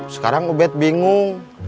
sekarang ube bingung